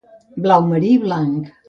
Blau marí i blanc.